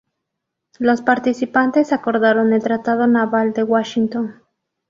Los participantes acordaron el Tratado Naval de Washington.